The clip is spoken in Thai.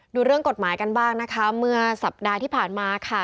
เรื่องกฎหมายกันบ้างนะคะเมื่อสัปดาห์ที่ผ่านมาค่ะ